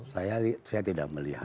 saya tidak melihat